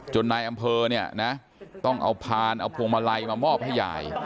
นายอำเภอเนี่ยนะต้องเอาพานเอาพวงมาลัยมามอบให้ยาย